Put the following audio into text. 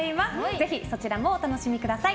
ぜひ、そちらもお楽しみください。